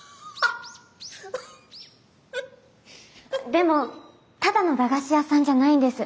でもただの駄菓子屋さんじゃないんです。